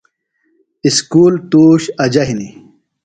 اسکول توُش اجہ ہِنیۡ ـ